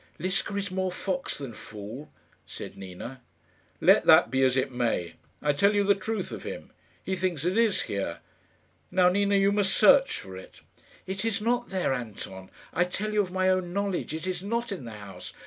"Ziska is more fox than fool," said Nina. "Let that be as it may. I tell you the truth of him. He thinks it is here. Now, Nina, you must search for it." "It is not there, Anton. I tell you of my own knowledge, it is not in the house.